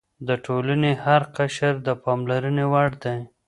د ټولنې هر قشر د پاملرنې وړ دی.